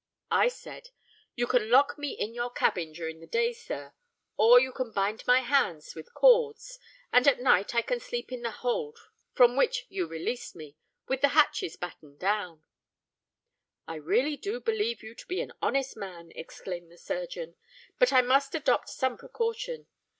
I said, '_You can lock me in your cabin during the day, sir; or you can bind my hands with cords; and, at night, I can sleep in the hold from which you released me, with the hatches battened down_.'—'I really do believe you to be an honest man,' exclaimed the surgeon; '_but I must adopt some precaution.